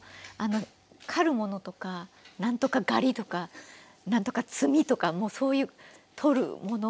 刈るものとか何とか狩りとか何とか摘みとかもうそういう取るもの？